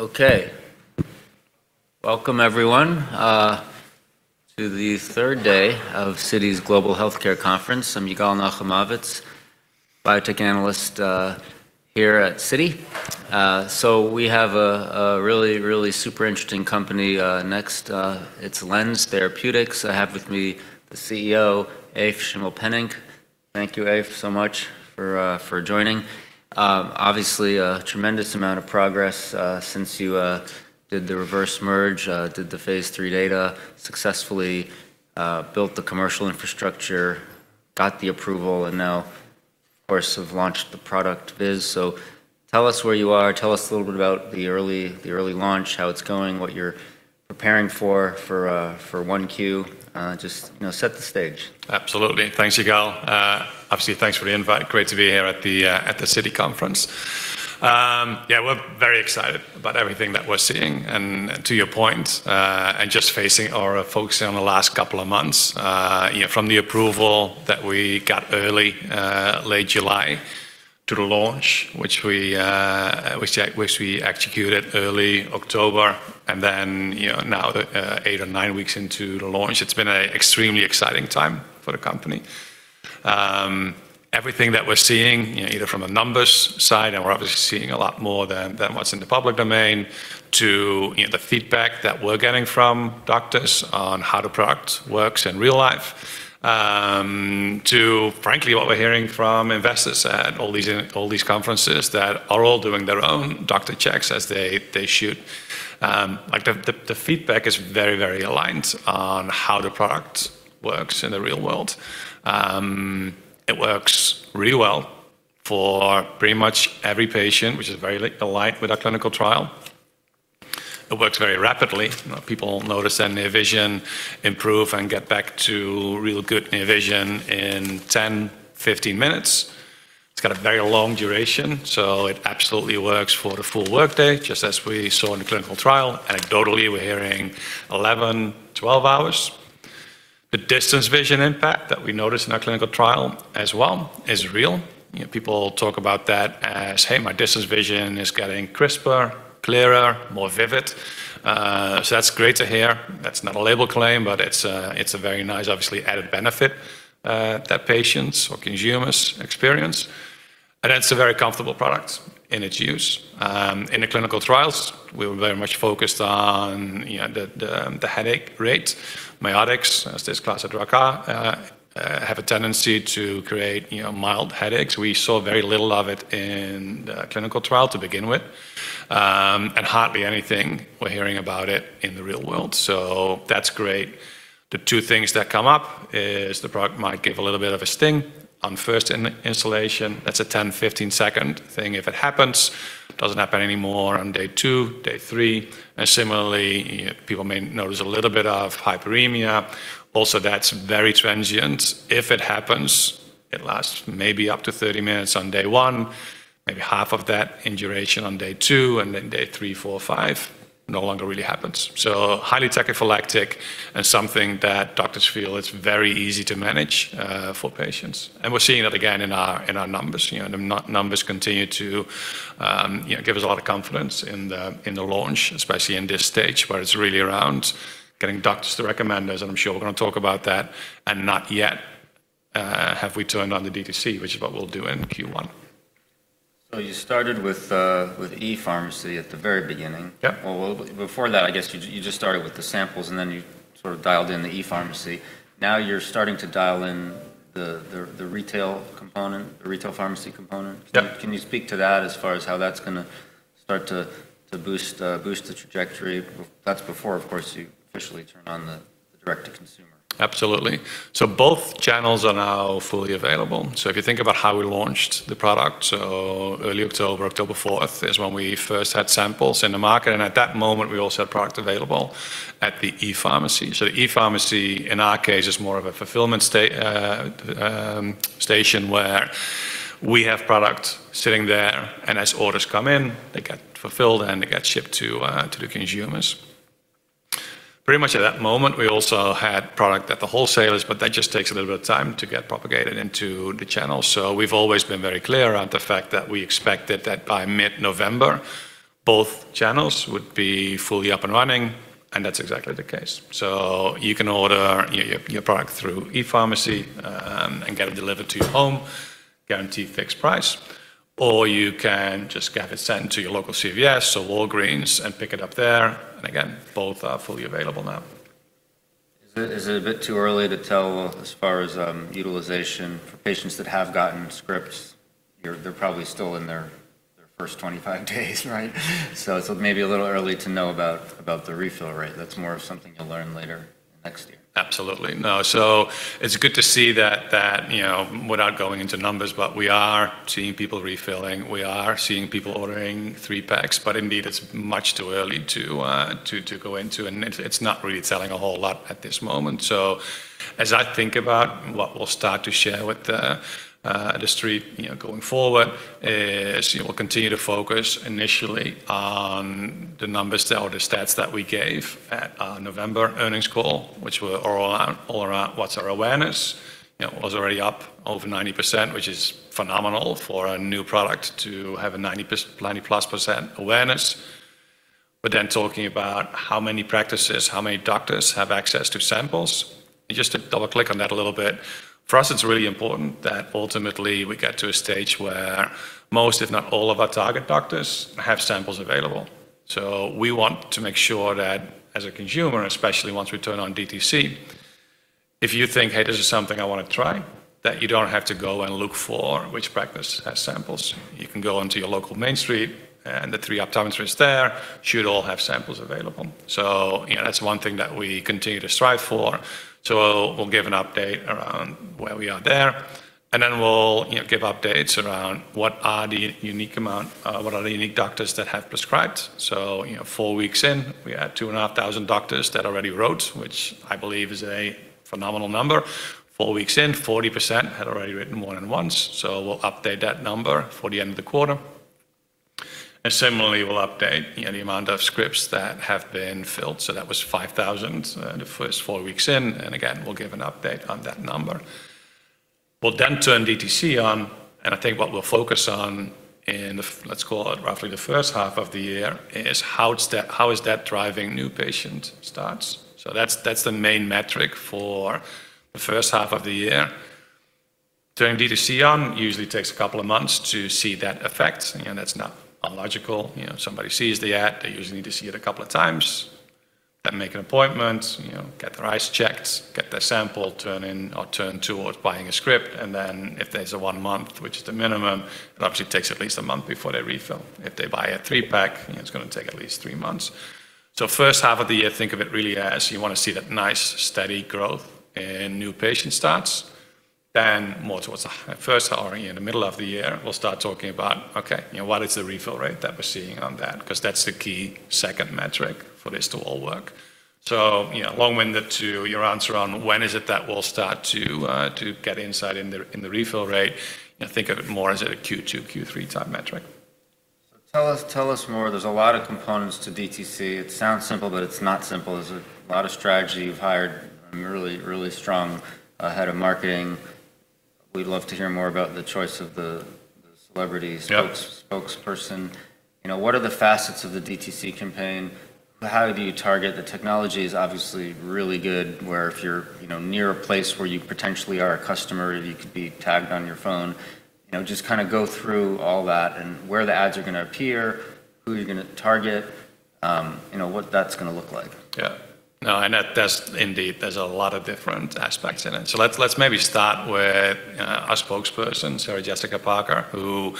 Okay. Welcome, everyone, to the third day of Citi's Global Healthcare Conference. I'm Yigal Nochomovitz, biotech analyst here at Citi. So we have a really, really super interesting company next. It's LENZ Therapeutics. I have with me the CEO, Evert Schimmelpennink. Thank you, Evert, so much for joining. Obviously, a tremendous amount of progress since you did the reverse merge, did the phase three data, successfully built the commercial infrastructure, got the approval, and now, of course, have launched the product viz. So tell us where you are. Tell us a little bit about the early launch, how it's going, what you're preparing for for Q1. Just set the stage. Absolutely. Thanks, Yigal. Obviously, thanks for the invite. Great to be here at the Citi Conference. Yeah, we're very excited about everything that we're seeing. And to your point, and just placing our focus on the last couple of months, from the approval that we got early to late July, to the launch, which we executed early October, and then now eight or nine weeks into the launch, it's been an extremely exciting time for the company. Everything that we're seeing, either from the numbers side, and we're obviously seeing a lot more than what's in the public domain, to the feedback that we're getting from doctors on how the product works in real life, to, frankly, what we're hearing from investors at all these conferences that are all doing their own doctor checks as they should. The feedback is very, very aligned on how the product works in the real world. It works really well for pretty much every patient, which is very aligned with our clinical trial. It works very rapidly. People notice their near vision improve and get back to real good near vision in 10, 15 minutes. It's got a very long duration, so it absolutely works for the full workday, just as we saw in the clinical trial. Anecdotally, we're hearing 11, 12 hours. The distance vision impact that we noticed in our clinical trial as well is real. People talk about that as, "Hey, my distance vision is getting crisper, clearer, more vivid." So that's great to hear. That's not a label claim, but it's a very nice, obviously, added benefit that patients or consumers experience. And that's a very comfortable product in its use. In the clinical trials, we were very much focused on the headache rate. Miotics, as this class of drugs are, have a tendency to create mild headaches. We saw very little of it in the clinical trial to begin with, and hardly anything we're hearing about it in the real world, so that's great. The two things that come up is the product might give a little bit of a sting on first instillation. That's a 10-15-second thing if it happens. Doesn't happen anymore on day two, day three, and similarly, people may notice a little bit of hyperemia. Also, that's very transient. If it happens, it lasts maybe up to 30 minutes on day one, maybe half of that in duration on day two, and then day three, four, five, no longer really happens. So highly tachyphylactic and something that doctors feel is very easy to manage for patients. And we're seeing that again in our numbers. The numbers continue to give us a lot of confidence in the launch, especially in this stage where it's really around getting doctors to recommend us. And I'm sure we're going to talk about that. And not yet have we turned on the DTC, which is what we'll do in Q1. So you started with e-pharmacy at the very beginning. Yep. Before that, I guess you just started with the samples, and then you sort of dialed in the e-pharmacy. Now you're starting to dial in the retail component, the retail pharmacy component. Can you speak to that as far as how that's going to start to boost the trajectory? That's before, of course, you officially turn on the direct-to-consumer. Absolutely. Both channels are now fully available. If you think about how we launched the product, early October, October 4th is when we first had samples in the market. At that moment, we also had product available at the e-pharmacy. The e-pharmacy, in our case, is more of a fulfillment station where we have product sitting there, and as orders come in, they get fulfilled and they get shipped to the consumers. Pretty much at that moment, we also had product at the wholesalers, but that just takes a little bit of time to get propagated into the channels. We've always been very clear on the fact that we expected that by mid-November, both channels would be fully up and running, and that's exactly the case. So you can order your product through e-pharmacy and get it delivered to your home, guaranteed fixed price, or you can just get it sent to your local CVS or Walgreens and pick it up there. And again, both are fully available now. Is it a bit too early to tell as far as utilization for patients that have gotten scripts? They're probably still in their first 25 days, right? So it's maybe a little early to know about the refill rate. That's more of something you'll learn later next year. Absolutely. No. So it's good to see that without going into numbers, but we are seeing people refilling. We are seeing people ordering three packs, but indeed, it's much too early to go into. And it's not really telling a whole lot at this moment. So as I think about what we'll start to share with the street going forward, we'll continue to focus initially on the numbers or the stats that we gave at our November earnings call, which were all around what's our awareness. It was already up over 90%, which is phenomenal for a new product to have a 90%+ awareness. We're then talking about how many practices, how many doctors have access to samples. And just to double-click on that a little bit, for us, it's really important that ultimately we get to a stage where most, if not all, of our target doctors have samples available. So we want to make sure that as a consumer, especially once we turn on DTC, if you think, "Hey, this is something I want to try," that you don't have to go and look for which practice has samples. You can go into your local main street, and the three optometrists there should all have samples available. So that's one thing that we continue to strive for. So we'll give an update around where we are there. And then we'll give updates around what are the unique amount, what are the unique doctors that have prescribed. So four weeks in, we had two and a half thousand doctors that already wrote, which I believe is a phenomenal number. Four weeks in, 40% had already written more than once. So we'll update that number for the end of the quarter. And similarly, we'll update the amount of scripts that have been filled. So that was 5,000 the first four weeks in. And again, we'll give an update on that number. We'll then turn DTC on. And I think what we'll focus on in, let's call it roughly the first half of the year is how is that driving new patient starts. So that's the main metric for the first half of the year. Turning DTC on usually takes a couple of months to see that effect. That's not unlogical. Somebody sees the ad, they usually need to see it a couple of times. Then, make an appointment, get their eyes checked, get their sample turned in or turned towards buying a script. And then, if there's a one month, which is the minimum, it obviously takes at least a month before they refill. If they buy a three pack, it's going to take at least three months. So, first half of the year, think of it really as you want to see that nice steady growth in new patient starts. Then, more towards the first half or in the middle of the year, we'll start talking about, "Okay, what is the refill rate that we're seeing on that?" Because that's the key second metric for this to all work. So, long-winded to your answer on when is it that we'll start to get insight in the refill rate, think of it more as a Q2, Q3 type metric. So tell us more. There's a lot of components to DTC. It sounds simple, but it's not simple. There's a lot of strategy. You've hired a really strong head of marketing. We'd love to hear more about the choice of the celebrity spokesperson. What are the facets of the DTC campaign? How do you target? The technology is obviously really good where if you're near a place where you potentially are a customer, you could be tagged on your phone. Just kind of go through all that and where the ads are going to appear, who you're going to target, what that's going to look like. Yeah. No, and indeed, there's a lot of different aspects in it. So let's maybe start with our spokesperson, Sarah Jessica Parker, who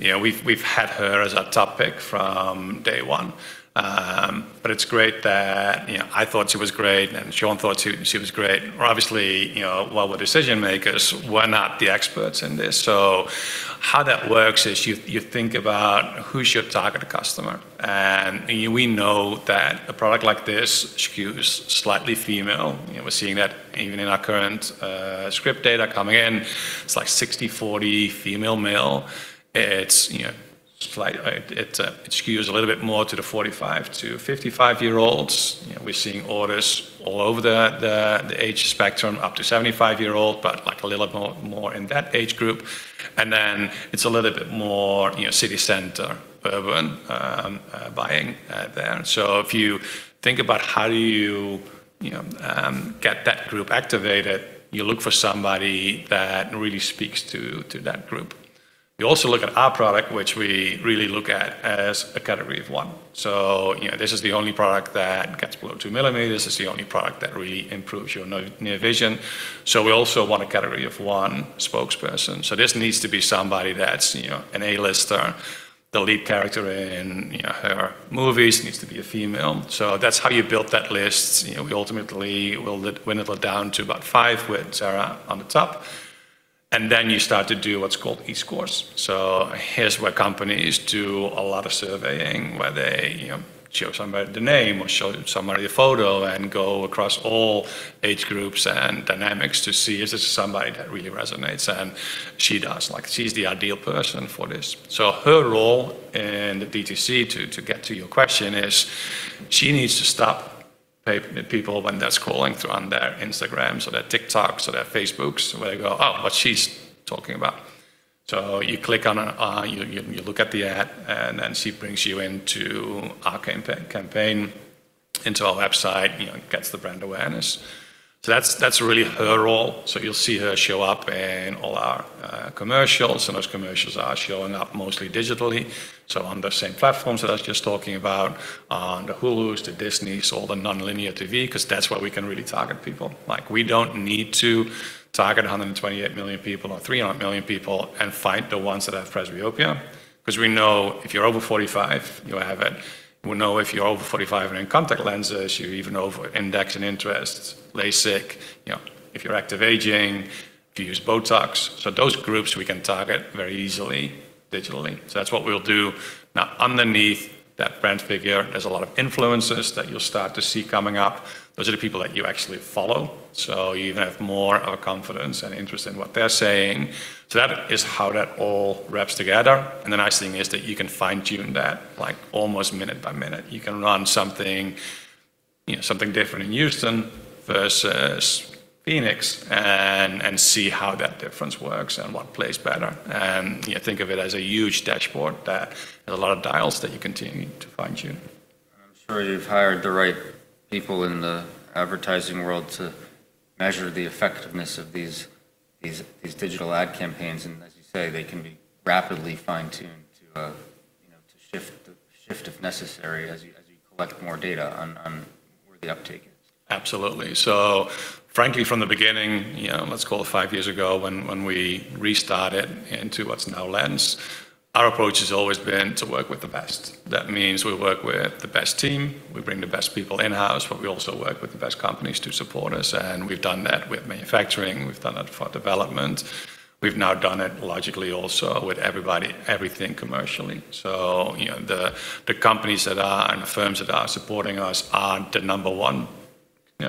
we've had her as our top pick from day one. But it's great that I thought she was great and Shawn thought she was great. Obviously, while we're decision makers, we're not the experts in this. So how that works is you think about who's your target customer. And we know that a product like this skews slightly female. We're seeing that even in our current scrip data coming in. It's like 60-40 female/male. It skews a little bit more to the 45 year-55-year-olds. We're seeing orders all over the age spectrum, up to 75-year-old, but a little bit more in that age group. And then it's a little bit more city center, urban buying there. So if you think about how do you get that group activated, you look for somebody that really speaks to that group. We also look at our product, which we really look at as a category of one. So this is the only product that gets below two millimeters. It's the only product that really improves your near vision. So we also want a category of one spokesperson. So this needs to be somebody that's an A-lister, the lead character in her movies needs to be a female. So that's how you build that list. We ultimately will wind it down to about five with Sarah on the top. And then you start to do what's called E-scores. So here's where companies do a lot of surveying where they show somebody the name or show somebody a photo and go across all age groups and dynamics to see if this is somebody that really resonates. And she does. She's the ideal person for this. So her role in the DTC, to get to your question, is she needs to stop people when they're scrolling through on their Instagrams or their TikToks or their Facebooks where they go, "Oh, what she's talking about." So you click on, you look at the ad, and then she brings you into our campaign, into our website, gets the brand awareness. So that's really her role. So you'll see her show up in all our commercials. And those commercials are showing up mostly digitally. So on the same platforms that I was just talking about, on the Hulus, the Disneys, all the non-linear TV, because that's where we can really target people. We don't need to target 128 million people or 300 million people and fight the ones that have presbyopia. Because we know if you're over 45, you have it. We know if you're over 45 and in contact lenses, you're even over index and interest, LASIK, if you're active aging, if you use Botox. So those groups we can target very easily digitally. So that's what we'll do. Now, underneath that brand figure, there's a lot of influencers that you'll start to see coming up. Those are the people that you actually follow. So you even have more of a confidence and interest in what they're saying. So that is how that all wraps together. And the nice thing is that you can fine-tune that almost minute by minute. You can run something different in Houston versus Phoenix and see how that difference works and what plays better. And think of it as a huge dashboard that has a lot of dials that you continue to fine-tune. I'm sure you've hired the right people in the advertising world to measure the effectiveness of these digital ad campaigns, and as you say, they can be rapidly fine-tuned to shift if necessary as you collect more data on where the uptake is. Absolutely, so frankly, from the beginning, let's call it five years ago when we restarted into what's now LENZ, our approach has always been to work with the best. That means we work with the best team. We bring the best people in-house, but we also work with the best companies to support us, and we've done that with manufacturing. We've done that for development. We've now done it logically also with everybody, everything commercially, so the companies that are and the firms that are supporting us are the number one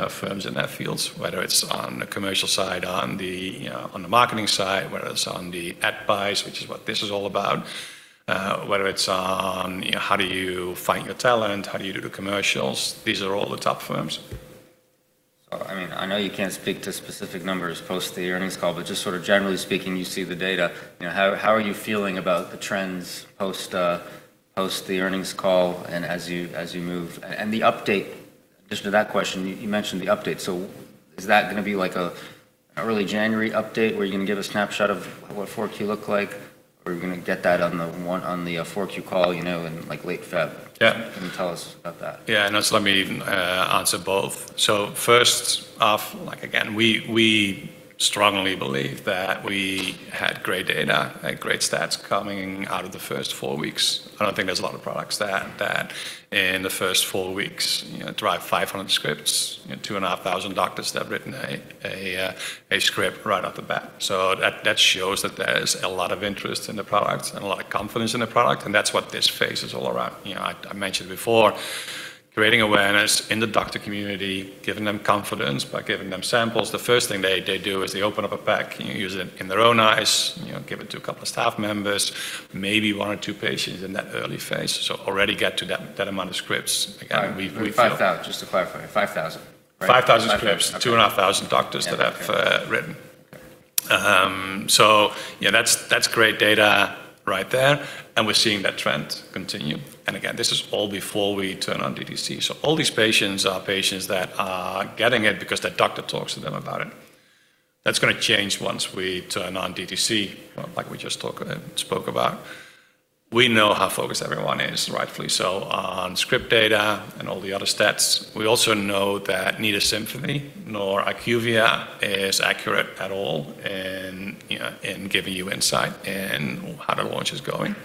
firms in their fields, whether it's on the commercial side, on the marketing side, whether it's on the ad buys, which is what this is all about, whether it's on how do you find your talent, how do you do the commercials. These are all the top firms. So I mean, I know you can't speak to specific numbers post the earnings call, but just sort of generally speaking, you see the data. How are you feeling about the trends post the earnings call and as you move? And the update, in addition to that question, you mentioned the update. So is that going to be like an early January update where you're going to give a snapshot of what 4Q looked like? Or are you going to get that on the 4Q call in late February? Yeah. Can you tell us about that? Yeah. And let me answer both. So first off, again, we strongly believe that we had great data and great stats coming out of the first four weeks. I don't think there's a lot of products that in the first four weeks drive 500 scripts, 2,500 doctors that have written a script right off the bat. So that shows that there's a lot of interest in the products and a lot of confidence in the product. And that's what this phase is all around. I mentioned before, creating awareness in the doctor community, giving them confidence by giving them samples. The first thing they do is they open up a pack, use it in their own eyes, give it to a couple of staff members, maybe one or two patients in that early phase. So already get to that amount of scripts. 5,000, just to clarify, 5,000. 5,000 scripts, 2,500 doctors that have written, so that's great data right there, and we're seeing that trend continue, and again, this is all before we turn on DTC, so all these patients are patients that are getting it because their doctor talks to them about it. That's going to change once we turn on DTC, like we just spoke about. We know how focused everyone is, rightfully so, on script data and all the other stats. We also know that neither Symphony nor IQVIA is accurate at all in giving you insight in how the launch is going,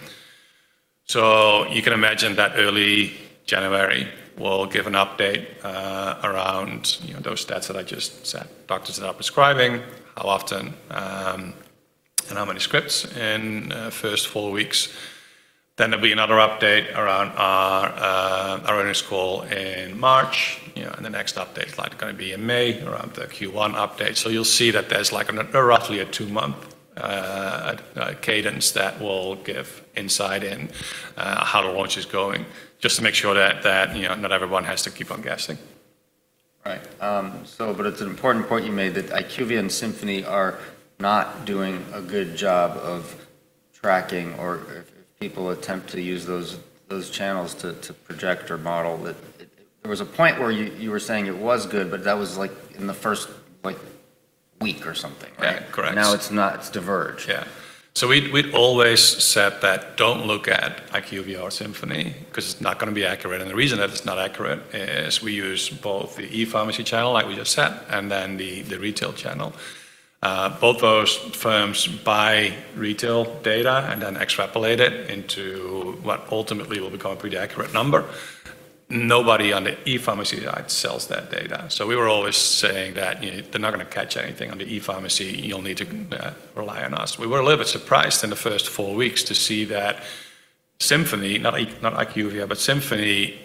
so you can imagine that early January, we'll give an update around those stats that I just said, doctors that are prescribing, how often, and how many scripts in the first four weeks, then there'll be another update around our earnings call in March. The next update is going to be in May around the Q1 update. You'll see that there's roughly a two-month cadence that we'll give insight into how the launch is going, just to make sure that not everyone has to keep on guessing. Right. But it's an important point you made that IQVIA and Symphony are not doing a good job of tracking or if people attempt to use those channels to project or model. There was a point where you were saying it was good, but that was in the first week or something, right? Yeah, correct. Now it's diverged. Yeah. So we'd always said that don't look at IQVIA or Symphony because it's not going to be accurate. And the reason that it's not accurate is we use both the e-pharmacy channel, like we just said, and then the retail channel. Both those firms buy retail data and then extrapolate it into what ultimately will become a pretty accurate number. Nobody on the e-pharmacy side sells that data. So we were always saying that they're not going to catch anything on the e-pharmacy. You'll need to rely on us. We were a little bit surprised in the first four weeks to see that Symphony, not IQVIA, but Symphony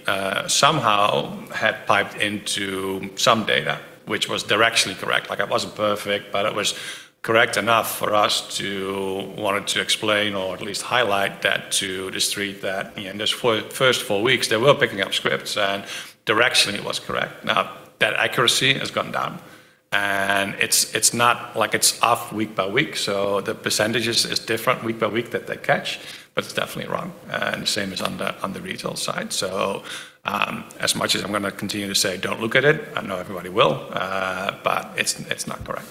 somehow had piped into some data, which was directionally correct. It wasn't perfect, but it was correct enough for us to want to explain or at least highlight that to the street that in those first four weeks, they were picking up scripts and directionally it was correct. Now, that accuracy has gone down, and it's not like it's off week by week, so the percentage is different week by week that they catch, but it's definitely wrong, and the same is on the retail side, so as much as I'm going to continue to say, don't look at it, I know everybody will, but it's not correct.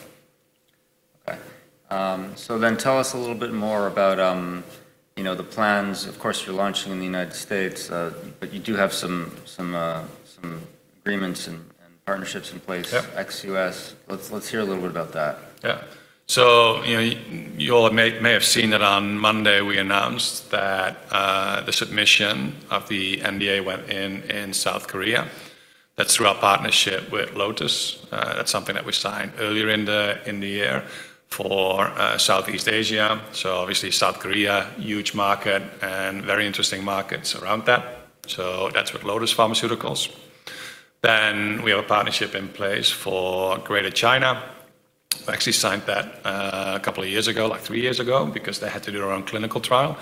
Okay. So then tell us a little bit more about the plans. Of course, you're launching in the United States, but you do have some agreements and partnerships in place, ex-US. Let's hear a little bit about that. Yeah. So you all may have seen that on Monday, we announced that the submission of the NDA went in South Korea. That's through our partnership with Lotus. That's something that we signed earlier in the year for Southeast Asia. So obviously, South Korea, huge market and very interesting markets around that. So that's with Lotus Pharmaceutical. Then we have a partnership in place for Greater China. We actually signed that a couple of years ago, like three years ago, because they had to do their own clinical trial.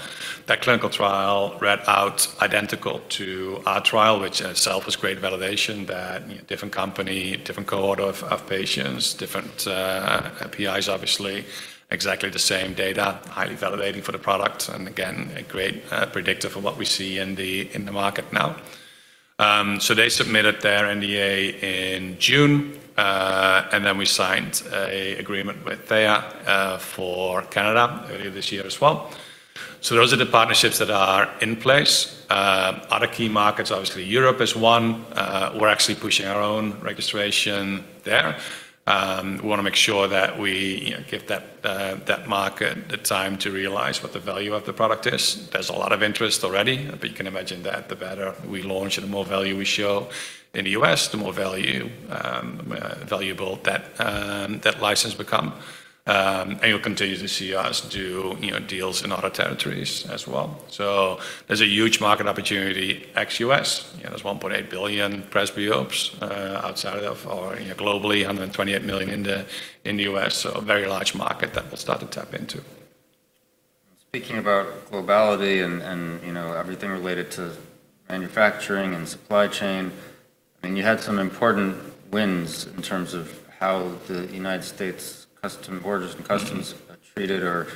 That clinical trial read out identical to our trial, which in itself was great validation that different company, different cohort of patients, different PIs, obviously, exactly the same data, highly validating for the product. And again, a great predictor for what we see in the market now. So they submitted their NDA in June. Then we signed an agreement with Théa for Canada earlier this year as well. So those are the partnerships that are in place. Other key markets, obviously, Europe is one. We're actually pushing our own registration there. We want to make sure that we give that market the time to realize what the value of the product is. There's a lot of interest already, but you can imagine that the better we launch and the more value we show in the U.S., the more valuable that license becomes. And you'll continue to see us do deals in other territories as well. So there's a huge market opportunity, ex-U.S. There's 1.8 billion presbyopes outside of globally, 128 million in the U.S. So a very large market that we'll start to tap into. Speaking about globality and everything related to manufacturing and supply chain, I mean, you had some important wins in terms of how the United States borders and customs treated or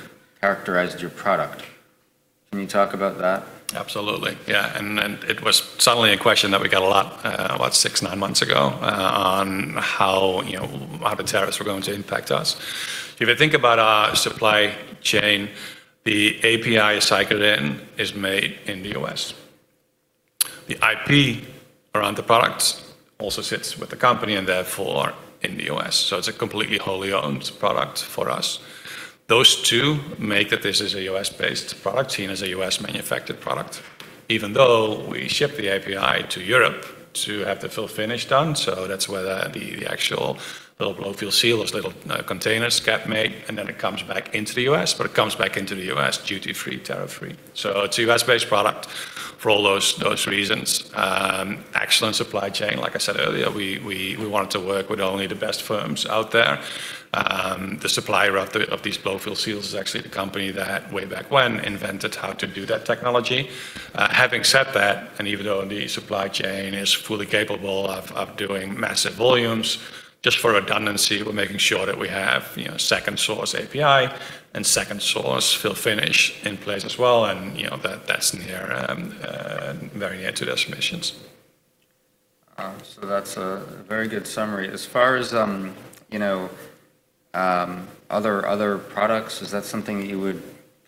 characterized your product. Can you talk about that? Absolutely. Yeah. And it was suddenly a question that we got a lot six, nine months ago on how the tariffs were going to impact us. If you think about our supply chain, the Aceclidine is made in the U.S. The IP around the products also sits with the company and therefore in the U.S. So it's a completely wholly owned product for us. Those two make that this is a U.S.-based product and is a U.S.-manufactured product, even though we ship the API to Europe to have the full finish done. So that's where the actual little Blow-Fill-Seal or little containers get made. And then it comes back into the U.S., but it comes back into the U.S. duty-free, tariff-free. So it's a U.S.-based product for all those reasons. Excellent supply chain. Like I said earlier, we wanted to work with only the best firms out there. The supplier of these blow-fill seals is actually the company that way back when invented how to do that technology. Having said that, and even though the supply chain is fully capable of doing massive volumes, just for redundancy, we're making sure that we have second-source API and second-source fill-finish in place as well, and that's very near to their submissions. So that's a very good summary. As far as other products, is that something you would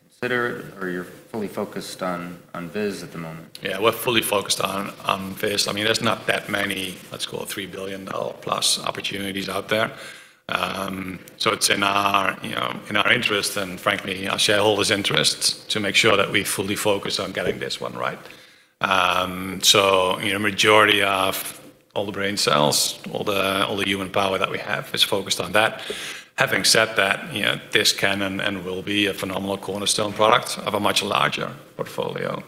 consider or you're fully focused on Viz at the moment? Yeah, we're fully focused on Viz. I mean, there's not that many, let's call it $3 billion plus opportunities out there. So it's in our interest and frankly, our shareholders' interest to make sure that we fully focus on getting this one right. So the majority of all the brain cells, all the human power that we have is focused on that. Having said that, this can and will be a phenomenal cornerstone product of a much larger portfolio.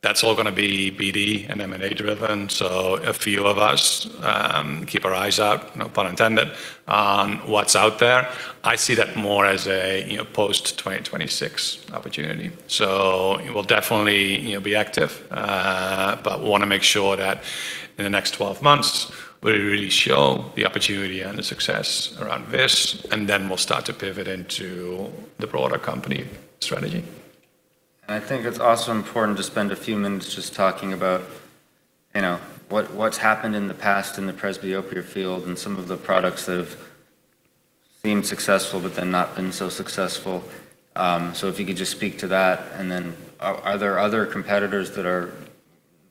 That's all going to be BD and M&A driven. So a few of us keep our eyes out, no pun intended, on what's out there. I see that more as a post-2026 opportunity. So we'll definitely be active, but we want to make sure that in the next 12 months, we really show the opportunity and the success around Viz. And then we'll start to pivot into the broader company strategy. And I think it's also important to spend a few minutes just talking about what's happened in the past in the presbyopia field and some of the products that have seemed successful, but then not been so successful. So if you could just speak to that. And then are there other competitors that are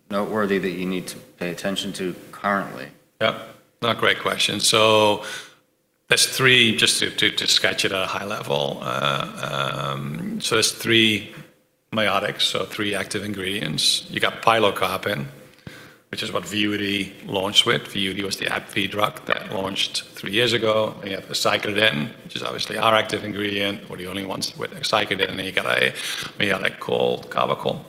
noteworthy that you need to pay attention to currently? Yeah. Not a great question. So there's three, just to sketch it at a high level. So there's three miotics, so three active ingredients. You got pilocarpine, which is what Vuity launched with. Vuity was the AbbVie drug that launched three years ago. And you have the aceclidine, which is obviously our active ingredient. We're the only ones with aceclidine. And you got a miotic called carbachol.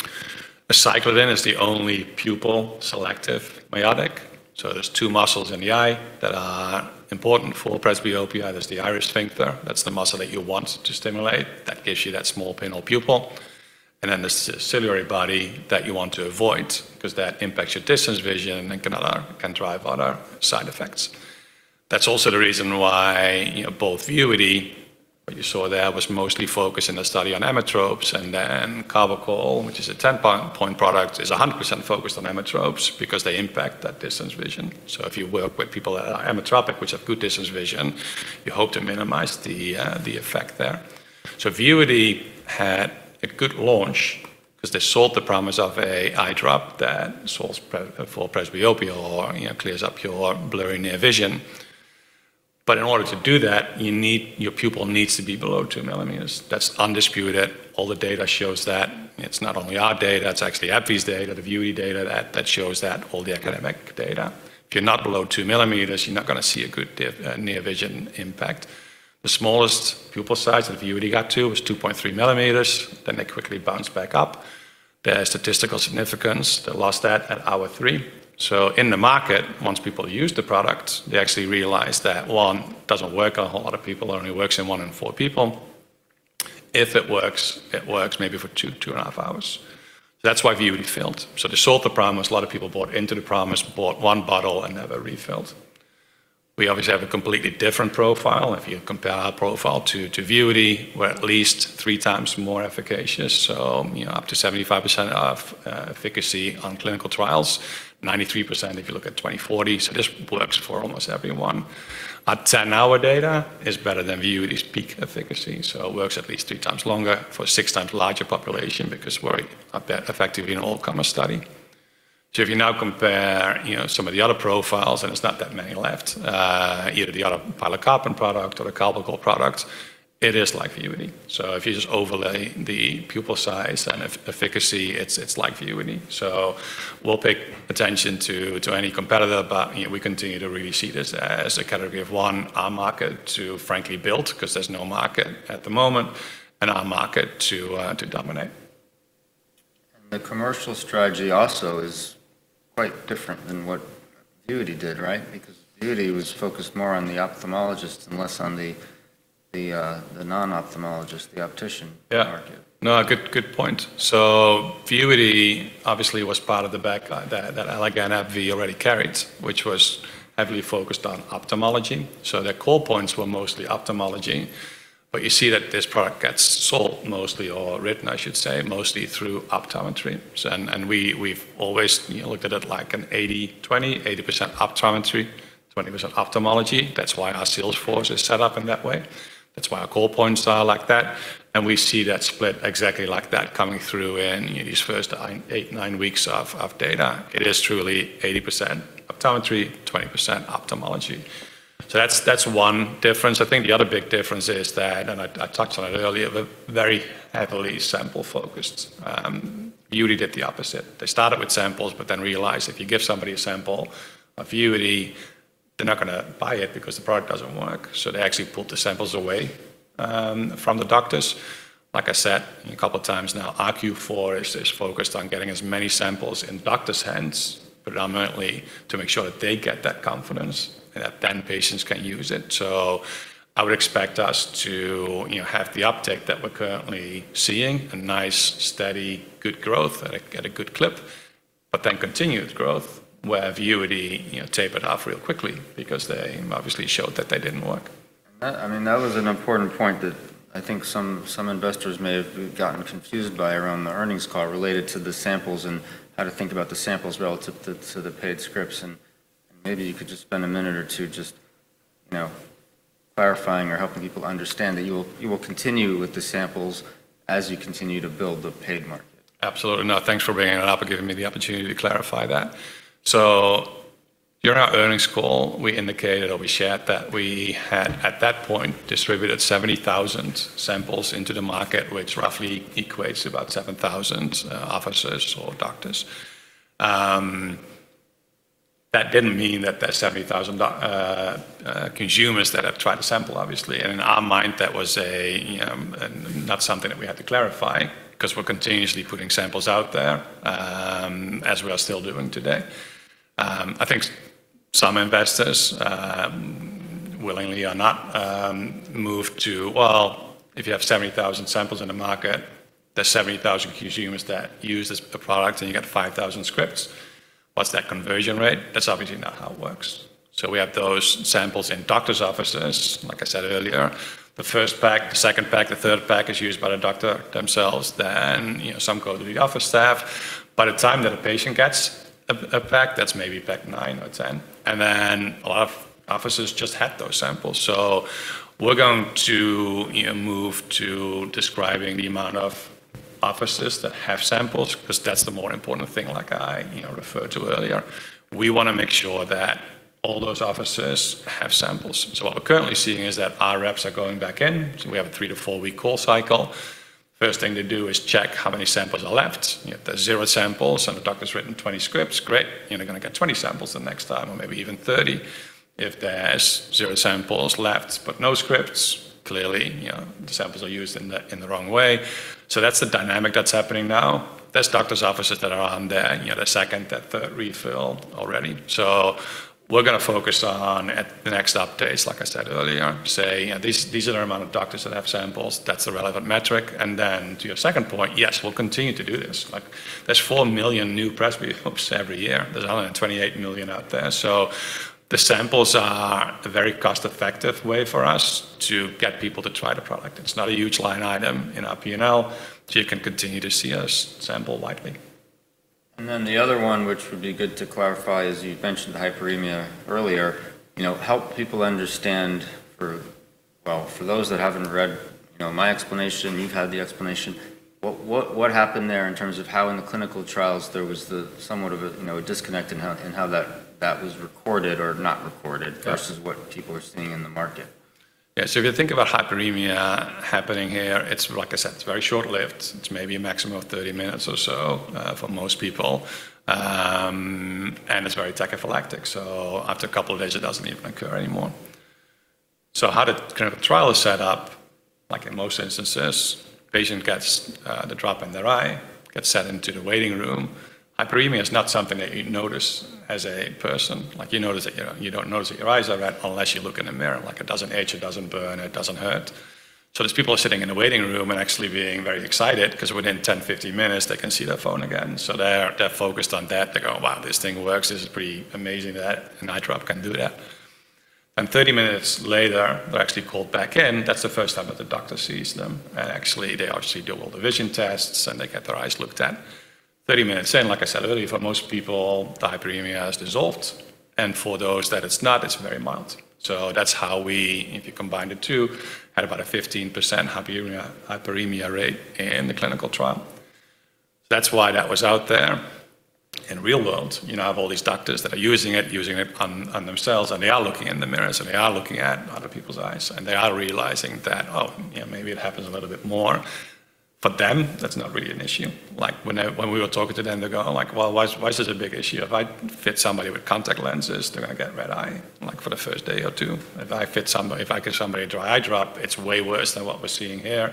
The aceclidine is the only pupil-selective miotic. So there's two muscles in the eye that are important for presbyopia. There's the iris sphincter. That's the muscle that you want to stimulate. That gives you that small pinhole pupil. And then there's the ciliary body that you want to avoid because that impacts your distance vision and can drive other side effects. That's also the reason why both Vuity, what you saw there, was mostly focused in a study on emmetropes. And then Carbachol, which is a 10-point product, is 100% focused on emmetropes because they impact that distance vision. So if you work with people that are emmetropic, which have good distance vision, you hope to minimize the effect there. So Vuity had a good launch because they sold the promise of an eye drop that solves for presbyopia or clears up your blurry near vision. But in order to do that, your pupil needs to be below two millimeters. That's undisputed. All the data shows that. It's not only our data. It's actually AbbVie's data, the Vuity data that shows that, all the academic data. If you're not below two millimeters, you're not going to see a good near vision impact. The smallest pupil size that Vuity got to was two point three millimeters. Then they quickly bounced back up. Their statistical significance, they lost that at hour three. So in the market, once people use the product, they actually realize that one doesn't work on a whole lot of people. It only works in one in four people. If it works, it works maybe for two, two and a half hours. That's why Vuity failed. So they sold the promise. A lot of people bought into the promise, bought one bottle, and never refilled. We obviously have a completely different profile. If you compare our profile to Vuity, we're at least three times more efficacious. So up to 75% of efficacy on clinical trials, 93% if you look at 20-40. So this works for almost everyone. Our 10-hour data is better than Vuity's peak efficacy. So it works at least three times longer for a six times larger population because we're not that effective in an all-comers study. So if you now compare some of the other profiles and there's not that many left, either the other pilocarpine product or the carbachol product, it is like Vuity. So if you just overlay the pupil size and efficacy, it's like Vuity. So we'll pay attention to any competitor, but we continue to really see this as a category of one, our market to frankly build because there's no market at the moment, and our market to dominate. The commercial strategy also is quite different than what Vuity did, right? Because Vuity was focused more on the ophthalmologists and less on the non-ophthalmologists, the optician market. Yeah. No, good point. So Vuity obviously was part of the bag that Allergan AbbVie already carried, which was heavily focused on ophthalmology. So their core points were mostly ophthalmology. But you see that this product gets sold mostly or written, I should say, mostly through optometry. And we've always looked at it like an 80-20, 80% optometry, 20% ophthalmology. That's why our sales force is set up in that way. That's why our core points are like that. And we see that split exactly like that coming through in these first eight, nine weeks of data. It is truly 80% optometry, 20% ophthalmology. So that's one difference. I think the other big difference is that, and I touched on it earlier, very heavily sample-focused. Vuity did the opposite. They started with samples, but then realized if you give somebody a sample of Vuity, they're not going to buy it because the product doesn't work. So they actually pulled the samples away from the doctors. Like I said a couple of times now, our Q4 is focused on getting as many samples in doctors' hands predominantly to make sure that they get that confidence and that then patients can use it. So I would expect us to have the uptake that we're currently seeing, a nice, steady, good growth at a good clip, but then continued growth where Vuity tapered off real quickly because they obviously showed that they didn't work. I mean, that was an important point that I think some investors may have gotten confused by around the earnings call related to the samples and how to think about the samples relative to the paid scripts. And maybe you could just spend a minute or two just clarifying or helping people understand that you will continue with the samples as you continue to build the paid market. Absolutely. No, thanks for bringing it up and giving me the opportunity to clarify that. So during our earnings call, we indicated or we shared that we had at that point distributed 70,000 samples into the market, which roughly equates to about 7,000 offices or doctors. That didn't mean that there's 70,000 consumers that have tried to sample, obviously, and in our mind, that was not something that we had to clarify because we're continuously putting samples out there as we are still doing today. I think some investors willingly are not moved to, well, if you have 70,000 samples in the market, there's 70,000 consumers that use the product and you get 5,000 scripts. What's that conversion rate? That's obviously not how it works, so we have those samples in doctors' offices, like I said earlier. The first pack, the second pack, the third pack is used by the doctor themselves. Then some go to the office staff. By the time that a patient gets a pack, that's maybe pack nine or 10. And then a lot of offices just had those samples. So we're going to move to describing the amount of offices that have samples because that's the more important thing like I referred to earlier. We want to make sure that all those offices have samples. So what we're currently seeing is that our reps are going back in. So we have a three- to four-week call cycle. First thing to do is check how many samples are left. If there's zero samples and the doctor's written 20 scripts, great. They're going to get 20 samples the next time or maybe even 30. If there's zero samples left but no scripts, clearly the samples are used in the wrong way. So that's the dynamic that's happening now. There's doctors' offices that are on there. There's second, there's third refill already. So we're going to focus on the next updates, like I said earlier, say these are the amount of doctors that have samples. That's a relevant metric. And then to your second point, yes, we'll continue to do this. There's four million new presbyopes every year. There's 128 million out there. So the samples are a very cost-effective way for us to get people to try the product. It's not a huge line item in our P&L. So you can continue to see us sample widely. The other one, which would be good to clarify, is you've mentioned hyperemia earlier. Help people understand, well, for those that haven't read my explanation, you've had the explanation. What happened there in terms of how in the clinical trials there was somewhat of a disconnect in how that was recorded or not recorded versus what people are seeing in the market? Yeah. So if you think about hyperemia happening here, it's like I said, it's very short-lived. It's maybe a maximum of 30 minutes or so for most people. And it's very tachyphylactic. So after a couple of days, it doesn't even occur anymore. So how the clinical trial is set up, like in most instances, patient gets the drop in their eye, gets sent into the waiting room. Hyperemia is not something that you notice as a person. You notice that you don't notice that your eyes are red unless you look in the mirror. It doesn't itch, it doesn't burn, it doesn't hurt. So these people are sitting in the waiting room and actually being very excited because within 10, 15 minutes, they can see their phone again. So they're focused on that. They go, "Wow, this thing works. This is pretty amazing that an eye drop can do that." And 30 minutes later, they're actually called back in. That's the first time that the doctor sees them. And actually, they obviously do all the vision tests and they get their eyes looked at. 30 minutes. And like I said earlier, for most people, the hyperemia is dissolved. And for those that it's not, it's very mild. So that's how we, if you combine the two, had about a 15% hyperemia rate in the clinical trial. So that's why that was out there. In real world, you know I have all these doctors that are using it, using it on themselves, and they are looking in the mirrors, and they are looking at other people's eyes, and they are realizing that, oh, maybe it happens a little bit more. For them, that's not really an issue. When we were talking to them, they're going, "Why is this a big issue? If I fit somebody with contact lenses, they're going to get red eye for the first day or two. If I fit somebody, if I give somebody a dry eye drop, it's way worse than what we're seeing here.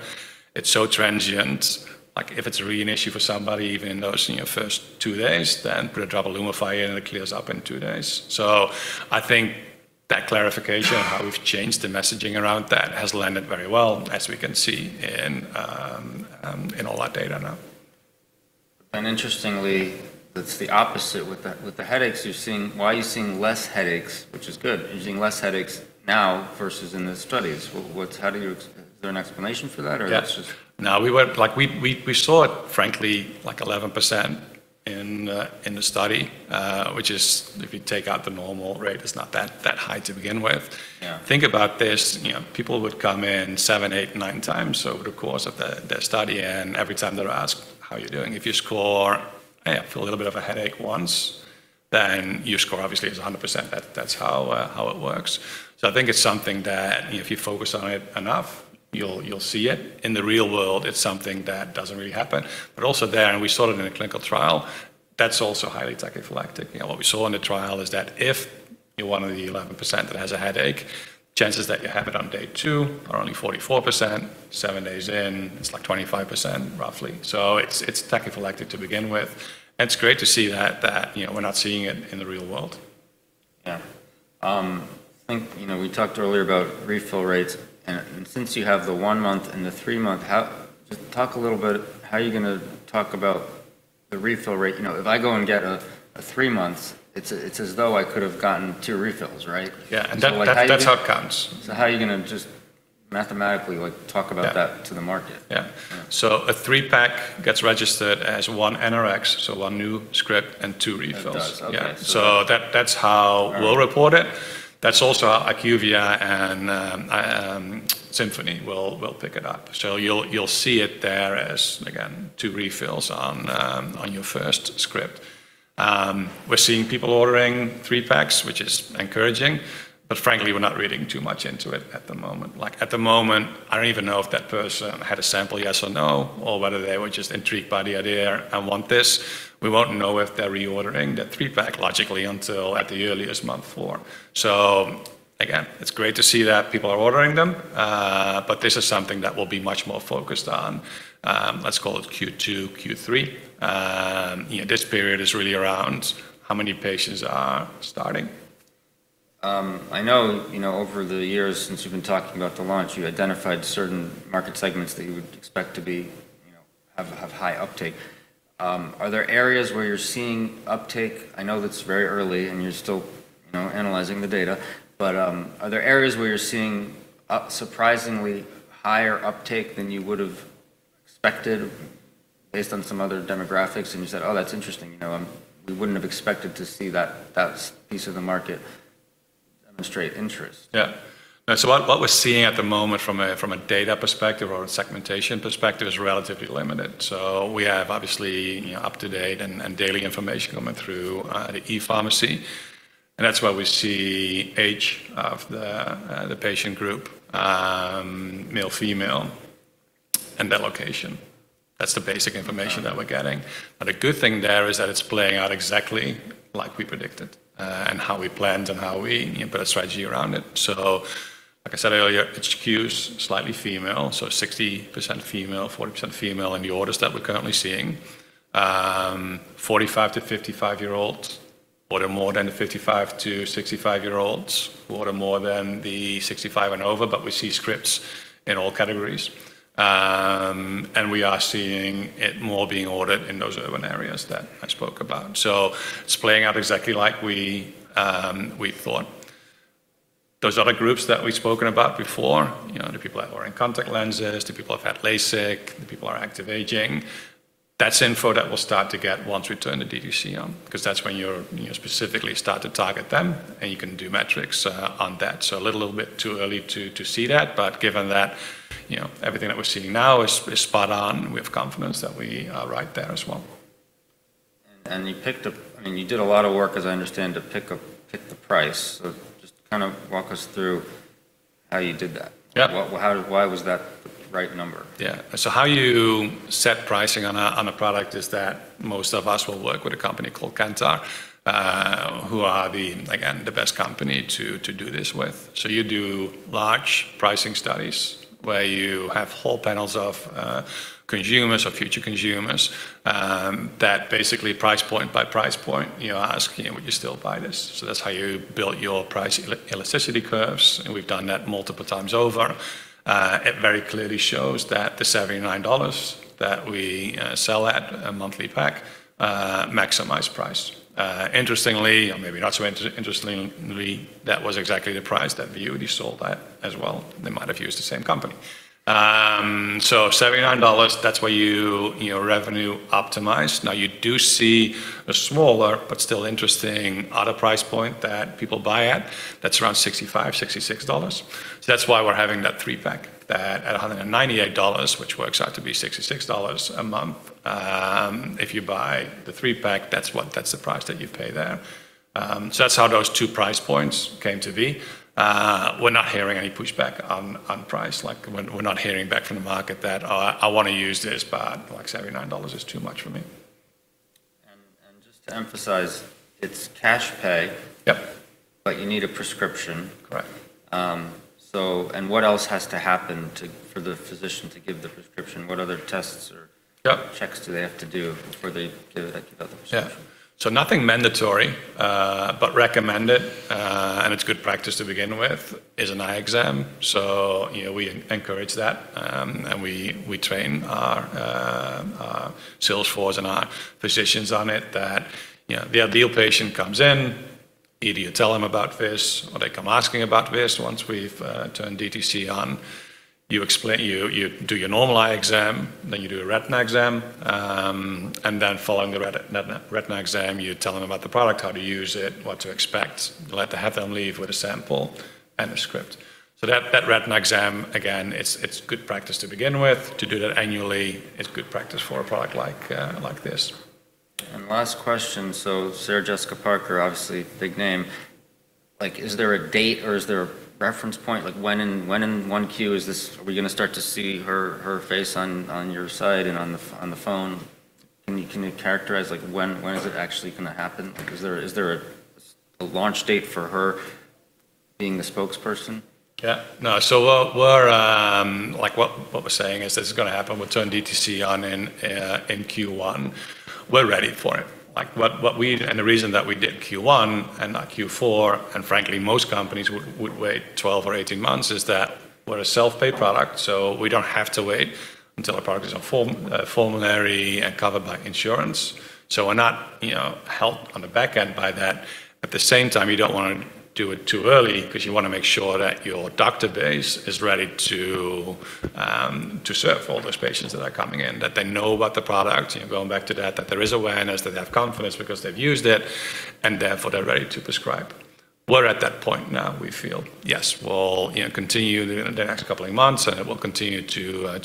It's so transient. If it's really an issue for somebody, even in those first two days, then put a drop of Lumify in and it clears up in two days." So I think that clarification of how we've changed the messaging around that has landed very well, as we can see in all our data now. Interestingly, it's the opposite with the headaches. Why are you seeing less headaches, which is good? You're seeing less headaches now versus in the studies. Is there an explanation for that or that's just? Yeah. Now, we saw it, frankly, like 11% in the study, which is, if you take out the normal rate, it's not that high to begin with. Think about this. People would come in seven, eight, nine times over the course of their study. And every time they're asked, "How are you doing?" If you score, "I feel a little bit of a headache once," then your score obviously is 100%. That's how it works. So I think it's something that if you focus on it enough, you'll see it. In the real world, it's something that doesn't really happen. But also there, and we saw it in a clinical trial, that's also highly tachyphylactic. What we saw in the trial is that if you're one of the 11% that has a headache, chances that you have it on day two are only 44%. Seven days in, it's like 25%, roughly. So it's tachyphylactic to begin with. And it's great to see that we're not seeing it in the real world. Yeah. I think we talked earlier about refill rates, and since you have the one-month and the three-month, just talk a little bit about how you're going to talk about the refill rate. If I go and get a three-month, it's as though I could have gotten two refills, right? Yeah. That's how it comes. How are you going to just mathematically talk about that to the market? Yeah, so a three-pack gets registered as one NRx, so one new script and two refills. It does. Okay. So that's how we'll report it. That's also how IQVIA and Symphony will pick it up. So you'll see it there as, again, two refills on your first script. We're seeing people ordering three-packs, which is encouraging. But frankly, we're not reading too much into it at the moment. At the moment, I don't even know if that person had a sample, yes or no, or whether they were just intrigued by the idea and want this. We won't know if they're reordering that three-pack logically until at the earliest month four. So again, it's great to see that people are ordering them. But this is something that will be much more focused on. Let's call it Q2, Q3. This period is really around how many patients are starting. I know over the years, since you've been talking about the launch, you identified certain market segments that you would expect to have high uptake. Are there areas where you're seeing uptake? I know that's very early and you're still analyzing the data. But are there areas where you're seeing surprisingly higher uptake than you would have expected based on some other demographics? And you said, "Oh, that's interesting. We wouldn't have expected to see that piece of the market demonstrate interest. Yeah. So what we're seeing at the moment from a data perspective or a segmentation perspective is relatively limited. So we have obviously up-to-date and daily information coming through the e-pharmacy. And that's where we see age of the patient group, male, female, and their location. That's the basic information that we're getting. But a good thing there is that it's playing out exactly like we predicted and how we planned and how we put a strategy around it. So like I said earlier, LNZ is slightly female. So 60% female, 40% male in the orders that we're currently seeing. 45 year-55-year-olds order more than the 55-65-year-olds who order more than the 65 and over, but we see scripts in all categories. And we are seeing it more being ordered in those urban areas that I spoke about. So it's playing out exactly like we thought. Those other groups that we've spoken about before, the people that are wearing contact lenses, the people who have had LASIK, the people who are active aging, that's info that we'll start to get once we turn the DTC on because that's when you specifically start to target them and you can do metrics on that. So a little bit too early to see that. But given that everything that we're seeing now is spot on, we have confidence that we are right there as well. And you picked a, I mean, you did a lot of work, as I understand, to pick the price. So just kind of walk us through how you did that. Why was that the right number? Yeah. So how you set pricing on a product is that most of us will work with a company called Kantar, who are the, again, the best company to do this with. So you do large pricing studies where you have whole panels of consumers or future consumers that basically price point by price point ask, "Would you still buy this?" So that's how you build your price elasticity curves. And we've done that multiple times over. It very clearly shows that the $79 that we sell at a monthly pack maximized price. Interestingly, or maybe not so interestingly, that was exactly the price that Vuity sold at as well. They might have used the same company. So $79, that's where your revenue optimized. Now, you do see a smaller but still interesting other price point that people buy at. That's around $65-$66. So that's why we're having that three-pack that's at $198, which works out to be $66 a month. If you buy the three-pack, that's the price that you pay there. So that's how those two price points came to be. We're not hearing any pushback on price. We're not hearing back from the market that, "I want to use this, but $79 is too much for me. Just to emphasize, it's cash pay. Yep. But you need a prescription. Correct. What else has to happen for the physician to give the prescription? What other tests or checks do they have to do before they give the prescription? Yeah. So nothing mandatory, but recommended. And it's good practice to begin with is an eye exam. So we encourage that. And we train our sales force and our physicians on it that the ideal patient comes in, either you tell them about this or they come asking about this. Once we've turned DTC on, you do your normal eye exam, then you do a retina exam. And then following the retina exam, you tell them about the product, how to use it, what to expect, let them leave with a sample and a script. So that retina exam, again, it's good practice to begin with. To do that annually is good practice for a product like this. And last question. So Sarah Jessica Parker, obviously big name. Is there a date or is there a reference point? When in one Q are we going to start to see her face on your site and on the phone? Can you characterize when is it actually going to happen? Is there a launch date for her being the spokesperson? Yeah. No. So what we're saying is this is going to happen. We'll turn DTC on in Q1. We're ready for it. And the reason that we did Q1 and not Q4, and frankly, most companies would wait 12 or 18 months is that we're a self-pay product, so we don't have to wait until our product is formulary and covered by insurance. So we're not held on the back end by that. At the same time, you don't want to do it too early because you want to make sure that your doctor base is ready to serve all those patients that are coming in, that they know about the product, going back to that, that there is awareness, that they have confidence because they've used it, and therefore they're ready to prescribe. We're at that point now. We feel, yes, we'll continue the next couple of months and it will continue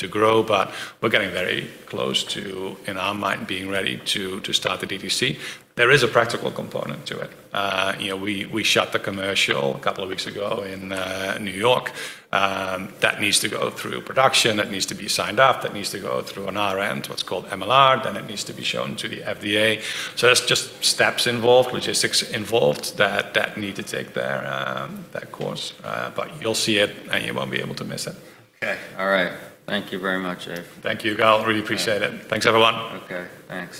to grow, but we're getting very close to, in our mind, being ready to start the DTC. There is a practical component to it. We shot the commercial a couple of weeks ago in New York. That needs to go through production. That needs to be signed up. That needs to go through an MR, what's called MLR. Then it needs to be shown to the FDA. So there's just steps involved, logistics involved that need to take their course. But you'll see it and you won't be able to miss it. Okay. All right. Thank you very much, Dave. Thank you, guys. Really appreciate it. Thanks, everyone. Okay. Thanks.